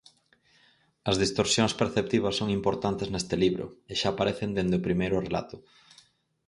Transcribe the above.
As distorsións perceptivas son importantes neste libro, e xa aparecen dende o primeiro relato.